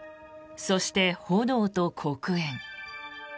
そして、炎と黒煙。